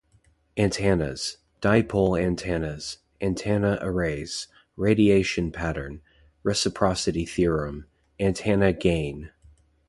Antennas: Dipole antennas; antenna arrays; radiation pattern; reciprocity theorem, antenna gain.